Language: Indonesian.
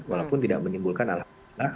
walaupun tidak menyimpulkan alhamdulillah